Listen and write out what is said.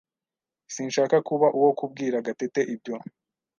Sinshaka kuba uwo kubwira Gatete ibyo.